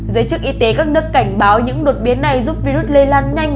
giới chức y tế các nước cảnh báo những đột biến này giúp virus lây lan nhanh